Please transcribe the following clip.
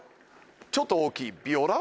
ちょっと大きいビオラ。